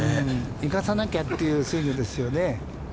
生かさなきゃというスイングですよね。